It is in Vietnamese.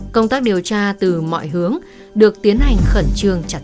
công tác điều tra từ mọi hướng được tiến hành khẩn trương chặt chẽ